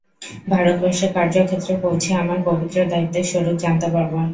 ভারতবর্ষে কার্যক্ষেত্রে পৌঁছে আমার পবিত্র দায়িত্বের স্বরূপ জানতে পারব।